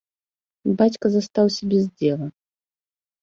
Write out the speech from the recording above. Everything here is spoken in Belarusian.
Бацька застаўся без дзела.